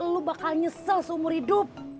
lu bakal nyesel seumur hidup